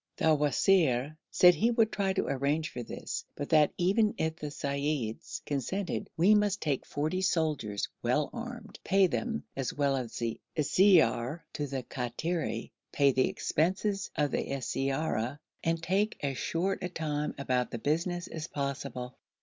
The wazir said he would try to arrange for this, but that, even if the seyyids consented, we must take forty soldiers, well armed, pay them as well as siyar to the Kattiri, pay the expenses of the siyara, and take as short a time about the business as possible.